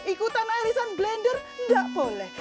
ikutan irisan blender enggak boleh